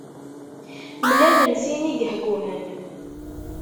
Mlalen sin igehguhen.